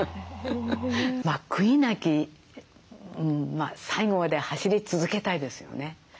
まあ悔いなき最後まで走り続けたいですよね。